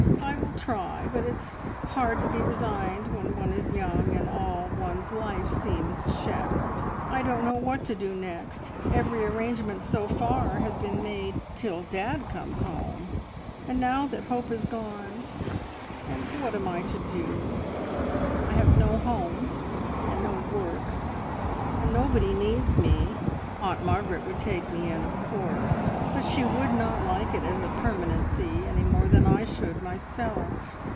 "I will try, but it's hard to be resigned when one is young, and all one's life seems shattered. I don't know what to do next. Every arrangement so far has been made, `till dad comes home,' and now that hope has gone, and what am I to do? I have no home, and no work, and nobody needs me. Aunt Margaret would take me in, of course, but she would not like it as a permanency any more than I should myself.